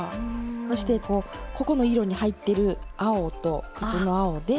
そしてここの色に入ってる青と靴の青で。